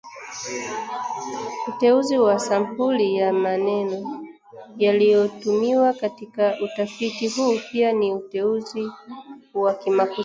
Uteuzi wa sampuli ya maneno yaliyotumiwa katika utafiti huu pia ni uteuzi wa kimaksudi